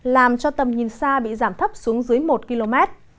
làm cho tầm nhìn xa bị giảm thấp xuống dưới một km